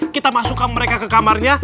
kita masukkan mereka ke kamarnya